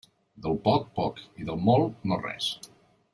Del poc, poc, i del molt, no res.